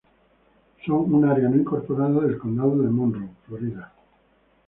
Son un área no incorporada del Condado de Monroe, Florida.